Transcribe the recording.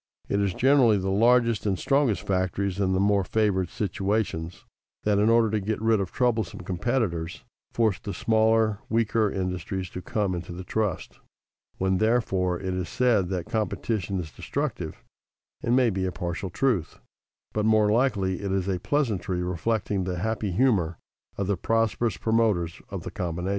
It is generally the largest and strongest factories, in the more favored situations, that, in order to get rid of troublesome competitors, force the smaller, weaker, industries to come into the trust. When, therefore, it is said that competition is destructive, it may be a partial truth, but more likely it is a pleasantry reflecting the happy humor of the prosperous promoters of the combination.